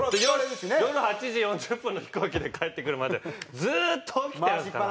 夜８時４０分の飛行機で帰ってくるまでずっと起きてるんですから。